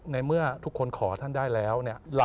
ในเมื่อทุกคนขอท่านได้แล้วเนี่ย